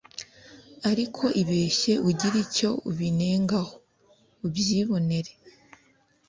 ariko ibeshye ugire icyo ubinengaho, ubyibonere!